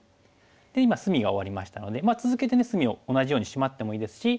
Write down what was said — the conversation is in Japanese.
今隅が終わりましたので続けてね隅を同じようにシマってもいいですし。